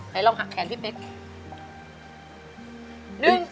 ให้ลองหักแขนที่เป็น